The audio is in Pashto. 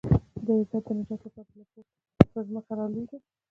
د عزت د نجات لپاره له پوړ څخه پر ځمکه رالوېږي.